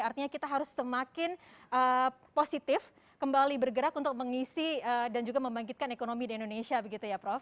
artinya kita harus semakin positif kembali bergerak untuk mengisi dan juga membangkitkan ekonomi di indonesia begitu ya prof